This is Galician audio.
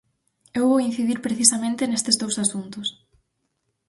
Eu vou incidir precisamente nestes dous asuntos.